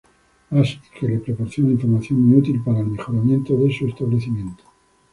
As, y que le proporciona información muy útil para el mejoramiento de su establecimiento.